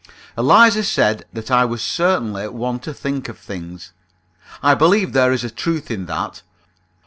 Eliza said that I was certainly one to think of things. I believe there is truth in that.